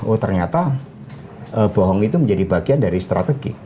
bahwa bohong itu menjadi bagian dari strategi